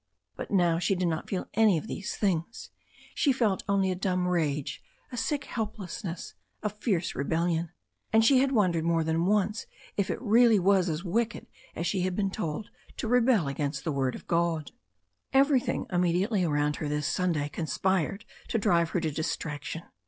But now she did not feel any of these things. She felt only a dumb rage, a sick helplessness, a fierce rebellion. And she had wondered more than once if it really was as wicked as she had been told to rebel against the word of God, Everything immediately around her this Sunday con spired to drive her to distraction.